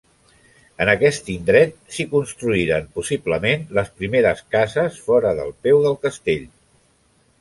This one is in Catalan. En aquest indret s'hi construïren, possiblement, les primeres cases fora del peu del castell.